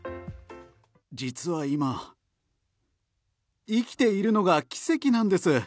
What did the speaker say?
実は今生きているのが奇跡なんです！